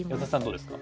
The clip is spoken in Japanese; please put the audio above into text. どうですか？